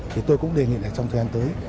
thì tôi cũng đề nghị trong thời gian tới